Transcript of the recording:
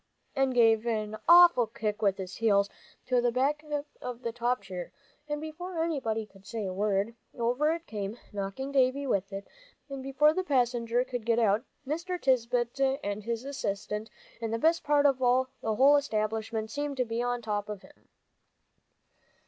and gave an awful kick with his heels to the back of the top chair, and before anybody could say a word, over it came, knocking Davie with it, and before the passenger could get out, Mr. Tisbett and his assistant and the best part of the whole establishment seemed to be on top of him.